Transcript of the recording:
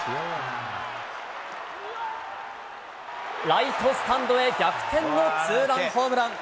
ライトスタンドへ逆転のツーランホームラン。